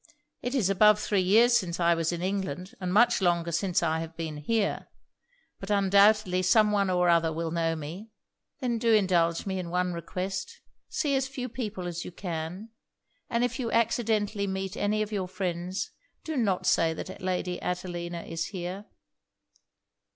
It is above three years since I was in England, and much longer since I have been here. But undoubtedly some one or other will know me.' 'Then do indulge me in one request. See as few people as you can; and if you accidentally meet any of your friends, do not say that Lady Adelina is here.'